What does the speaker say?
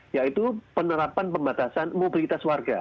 yaitu penerapan pembatasan mobilitas warga